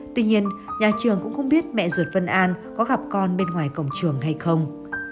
tuy nhiên nhà trường cũng không biết mẹ ruột vân an có gặp con bên ngoài cổng trường hay không